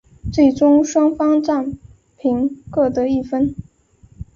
最终双方战平各得一分。